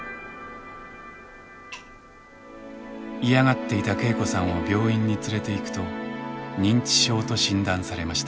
嫌がっていた恵子さんを病院に連れていくと認知症と診断されました。